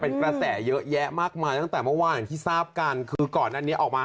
เป็นกระแสเยอะแยะมากมายตั้งแต่เมื่อวานอย่างที่ทราบกันคือก่อนอันนี้ออกมา